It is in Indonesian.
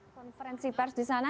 konferensi pers di sana